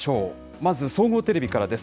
まず、総合テレビからです。